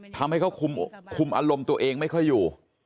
ทำให้เขาคุมอารมณ์ตัวเองไม่ค่อยอยู่